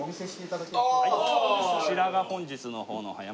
こちらが本日の方の葉山牛に。